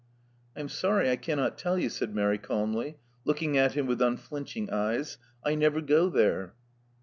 I am sorry I cannot tell you,'* said Mary calmly, looking at him with unflinching eyes: I never go there."